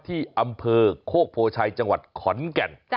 ที่อำเภอโคกโพชัยจังหวัดขอนแก่น